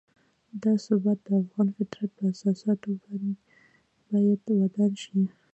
دا ثبات د افغان فطرت پر اساساتو باید ودان شي.